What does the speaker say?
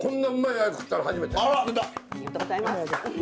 ありがとうございます。